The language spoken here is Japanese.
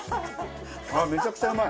ああめちゃくちゃうまい。